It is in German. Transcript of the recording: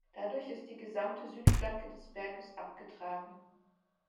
Dadurch ist die gesamte Südflanke des Berges abgetragen.